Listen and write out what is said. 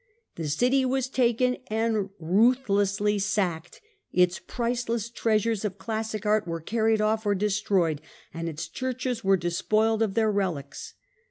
The city was taken and and Sack of rutlilcssly sacked, its priceless treasures of classic art nopie, 1204 Were carried off or destroyed, and its churches were despoiled of their relics.